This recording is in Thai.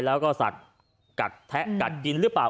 แล้วก็สัตว์กัดแทะกัดกินหรือเปล่า